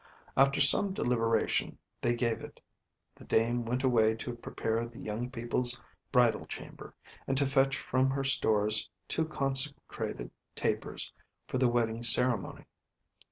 After some deliberation, they gave it; the dame went away to prepare the young people's bridal chamber, and to fetch from her stores two consecrated tapers for the wedding ceremony.